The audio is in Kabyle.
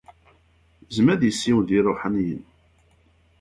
Yezmer ad yessiwel ed yiṛuḥaniyen.